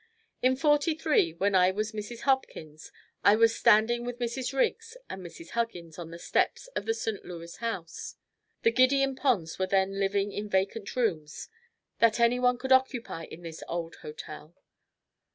In '43 when I was Mrs. Hopkins I was standing with Mrs. Riggs and Mrs. Huggins on the steps of the St. Louis house. The Gideon Ponds were then living in vacant rooms that anyone could occupy in this old hotel.